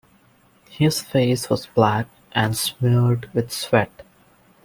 His face was black, and smeared with sweat.